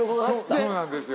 そうなんですよ。